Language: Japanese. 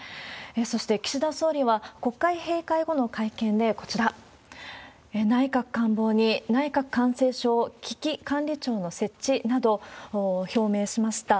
そして、岸田総理は国会閉会後の会見でこちら、内閣官房に内閣感染症危機管理庁の設置など、表明しました。